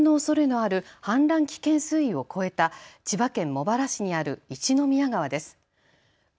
映像は氾濫のおそれのある氾濫危険水位を超えた千葉県茂原市にある一宮川です。